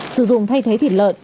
sử dụng thay thế thịt lợn